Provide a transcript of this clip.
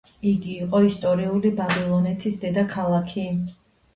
იგი იყო ისტორიული ბაბილონეთის დედაქალაქი.